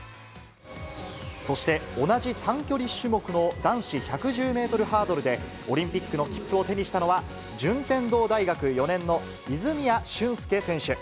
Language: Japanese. そして同じ短距離種目の男子１１０メートルハードルで、オリンピックの切符を手にしたのは、順天堂大学４年の泉谷駿介選手。